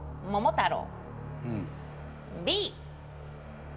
太郎。